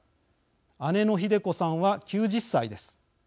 姉のひで子さんは９０歳です。